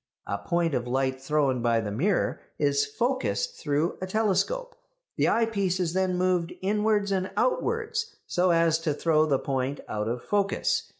A point of light thrown by the mirror is focused through a telescope. The eyepiece is then moved inwards and outwards so as to throw the point out of focus.